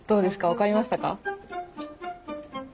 分かりましたか？